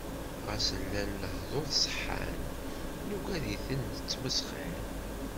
Ɣas llan lehdur ṣeḥḥan, nuggad-iten d ttmesxir.